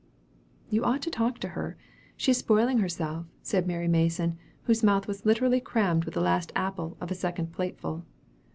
'" "You ought to talk to her, she is spoiling herself," said Mary Mason, whose mouth was literally crammed with the last apple of a second plateful.